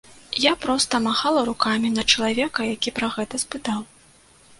Я проста махала рукамі на чалавека, які пра гэта спытаў.